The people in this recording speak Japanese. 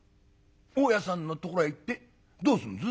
「大家さんのところへ行ってどうすんです？」。